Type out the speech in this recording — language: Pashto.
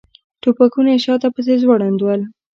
ټوپکونه یې شاته پسې ځوړند ول.